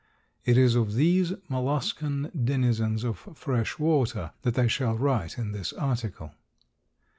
It is of these molluscan denizens of fresh water that I shall write in this article.